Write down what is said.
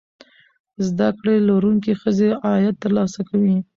زده کړې لرونکې ښځې عاید ترلاسه کوي.